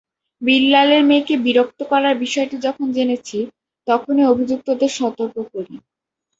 বিল্লালের মেয়েকে বিরক্ত করার বিষয়টি যখন জেনেছি, তখনই অভিযুক্তদের সতর্ক করি।